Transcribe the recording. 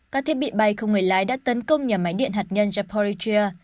các thiết bị bay không người lái đã tấn công nhà máy điện hạt nhân japoritryer